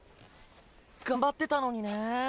頑張ってたのにね。